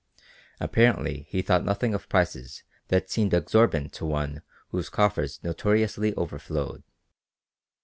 Apparently he thought nothing of prices that seemed exorbitant to one whose coffers notoriously overflowed.